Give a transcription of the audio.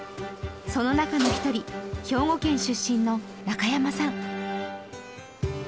その中の一人兵庫県出身の中山さん